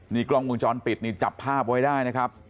นี่กล้องวงจรปิดนี่จับภาพไว้ได้นะครับ